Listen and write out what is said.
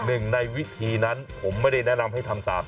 หนึ่งในวิธีนั้นผมไม่ได้แนะนำให้ทำตาม